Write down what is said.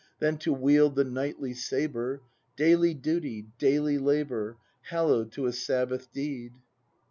Than to wield the knightly sabre, — Daily duty, daily labor. Hallo w'd to a Sabbath deed.